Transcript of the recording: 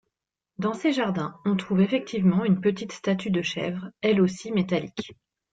Dans ces jardins, on trouve effectivement une petite statue de chèvre, elle aussi métallique.